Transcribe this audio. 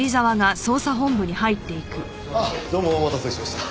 どうもお待たせしました。